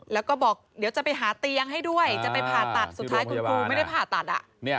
แล้วก็บอกเดี๋ยวจะไปหาเตียงให้ด้วยจะไปภาษณ์สุดท้ายก็ไม่ได้ภาตรรทัศน์อ่ะ